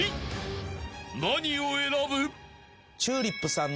［何を選ぶ？］